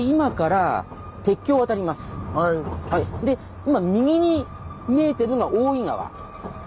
今右に見えているのが大井川。